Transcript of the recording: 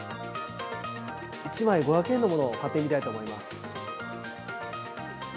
１枚５００円のものを買ってみたいと思います。